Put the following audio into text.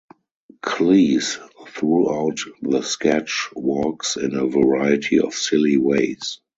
Cleese, throughout the sketch, walks in a variety of silly ways.